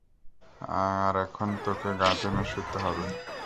আর এখন তোকে গার্টেনে শুতে হবে।